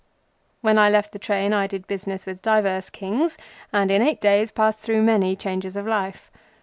When I left the train I did business with divers Kings, and in eight days passed through many changes of life.